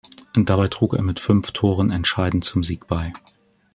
Dabei trug er mit fünf Toren entscheidend zum Sieg bei.